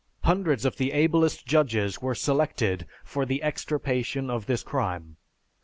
Hundreds of the ablest judges were selected for the extirpation of this crime.